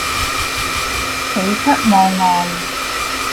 喜出望外